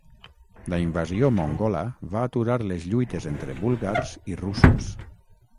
La invasió mongola va aturar les lluites entre búlgars i russos.